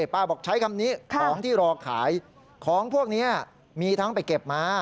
ป้าบอกใช้คำนี้ของที่รอขายของพวกนี้มีทั้งไปเก็บมา